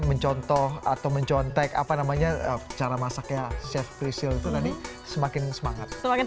mencontoh atau mencontek apa namanya cara masaknya chef pricil itu nanti semakin semangat semakin